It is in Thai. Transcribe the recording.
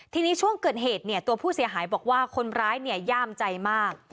ทีนี้ช่วงเกิดเหตุเนี่ยตัวผู้เสียหายบอกว่าคนร้ายเนี่ยย่ามใจมาก